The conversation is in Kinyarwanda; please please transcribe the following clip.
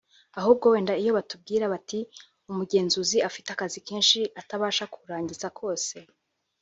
ahubwo wenda iyo batubwira bati umugenzuzi afite akazi kenshi atabasha kurangiza kose